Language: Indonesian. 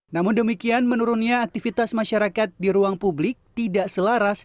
namun demikian menurunnya aktivitas masyarakat di ruang publik tidak selaras